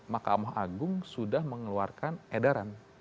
mahkamah agung sudah mengeluarkan edaran